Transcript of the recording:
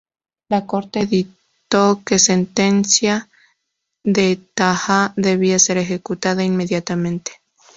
La corte dictó que sentencia de Taha debía ser ejecutada inmediatamente.